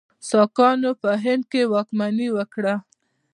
ساکانو په هند کې واکمني وکړه.